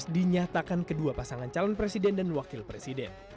dinyatakan kedua pasangan calon presiden dan wakil presiden